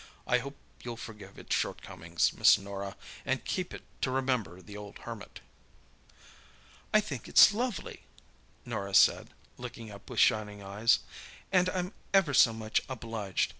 I hope you'll forgive its shortcomings, Miss Norah, and keep it to remember the old Hermit." "I think it's lovely," Norah said, looking up with shining eyes, "and I'm ever so much obliged.